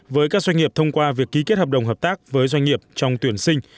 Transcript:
với các doanh nghiệp thông qua việc ký kết hợp đồng hợp tác với doanh nghiệp trong tuyển sinh